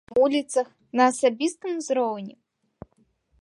На вуліцах, на асабістым узроўні.